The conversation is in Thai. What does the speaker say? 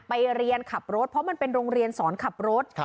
ไปเรียนขับรถเพราะมันเป็นโรงเรียนสอนขับรถ